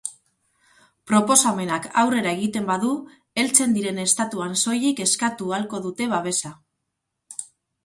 Proposamenak aurrera egiten badu, heltzen diren estatuan soilik eskatu ahalko dute babesa.